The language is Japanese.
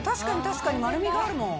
・確かに丸みがあるもん